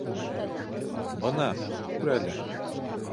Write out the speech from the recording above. — Бына, күр әле!